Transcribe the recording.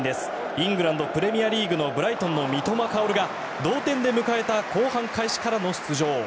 イングランド・プレミアリーグブライトンの三笘薫が同点で迎えた後半開始からの出場。